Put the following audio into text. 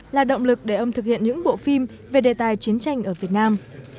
là động lực để ông thực hiện những bộ phim về đề tài chiến tranh ở việt nam